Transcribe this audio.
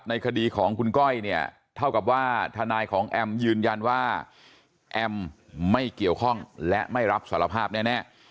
คดีของคุณก้อยเนี่ยเท่ากับว่าทนายของแอมยืนยันว่าแอมไม่เกี่ยวข้องและไม่รับสารภาพแน่